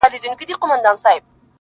مه راته وايه چي د کار خبري ډي ښې دي_